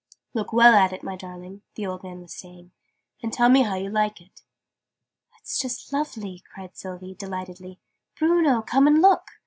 "Look well at it, my darling," the old man was saying, "and tell me how you like it." "'It's just lovely," cried Sylvie, delightedly. "Bruno, come and look!"